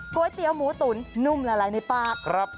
ก๋วยเตี๋ยวหมูตุ๋นนุ่มละลายในปาก